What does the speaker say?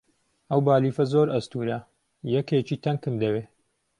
ئەو بالیفە زۆر ئەستوورە، یەکێکی تەنکم دەوێ.